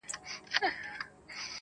دا ټولنه به نو څنکه اصلاح کيږي،